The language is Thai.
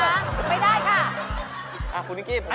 ไม่ได้ค่ะ